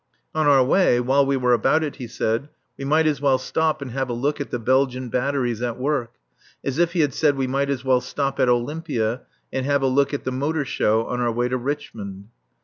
On our way, while we were about it, he said, we might as well stop and have a look at the Belgian batteries at work as if he had said we might as well stop at Olympia and have a look at the Motor Show on our way to Richmond.